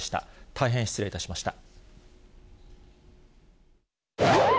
大変失礼いたしました。